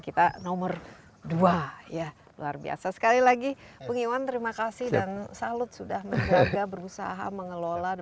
kita nomor dua ya luar biasa sekali lagi pengiwan terima kasih dan salut sudah menjaga berusaha mengelola